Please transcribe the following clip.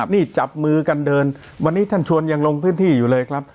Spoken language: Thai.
นี่จับมือกันเดินวันนี้ท่านชวนยังลงพื้นที่อยู่เลยครับ